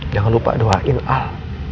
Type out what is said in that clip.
jangan lupa doain al